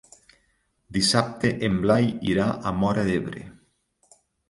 Dissabte en Blai irà a Móra d'Ebre.